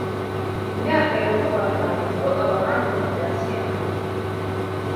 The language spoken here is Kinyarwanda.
Mu myaka ya vuba aha, ni bwo abahanga mu bya siyansi